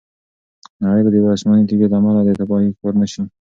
نړۍ به د یوې آسماني تیږې له امله د تباهۍ ښکار نه شي.